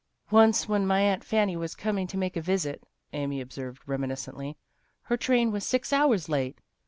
" Once when my Aunt Fanny w r as coming to make us a visit," Amy observed reminis cently, " her train was six hours late.